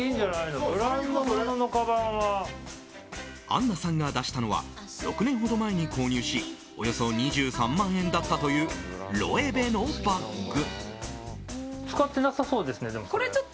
あんなさんが出したのは６年ほど前に購入しおよそ２３万円だったというロエベのバッグ。